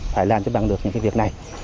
phải làm cho bằng được những cái việc này